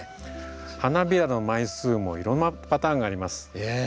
花びらの枚数もいろんなパターンがあります。